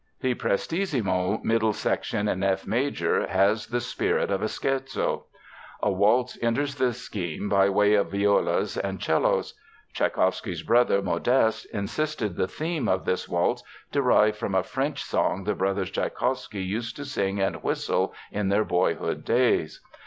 The Prestissimo middle section in F major, has the spirit of a scherzo. A waltz enters the scheme by way of violas and 'cellos. Tschaikowsky's brother, Modeste, insisted the theme of this waltz derived from a French song the brothers Tschaikowsky used to sing and whistle in their boyhood days.